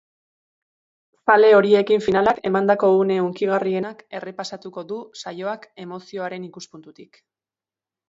Zale horiekinfinalak emandako une hunkigarrienak errepasatuko du saioak emozioarenikuspuntutik.